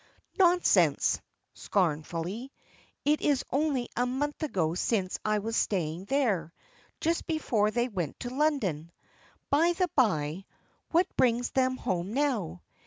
"Nonsense!" scornfully; "it is only a month ago since I was staying there, just before they went to London. By the bye, what brings them home now?